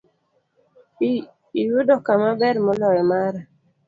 Iyudo kama ber moloyo mara.